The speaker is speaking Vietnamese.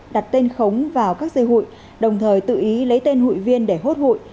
đặt tên khống vào các dây hụi đồng thời tự ý lấy tên hụi viên để hốt hụi